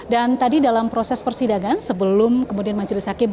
dan tadi dalam proses persidangan sebelum kemudian majelis akademi